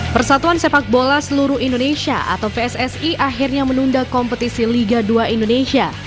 persatuan sepak bola seluruh indonesia atau pssi akhirnya menunda kompetisi liga dua indonesia